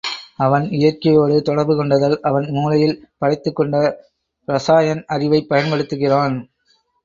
அவன் இயற்கையோடு தொடர்பு கொண்டதால் அவன் மூளையில் படைத்துக் கொண்ட ரசாயன் அறிவைப் பயன்படுத்துகிறான்.